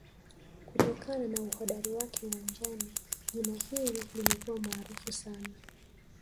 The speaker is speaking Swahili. kutokana na uhodari wake uwanjani jina hili limekuwa maarufu sana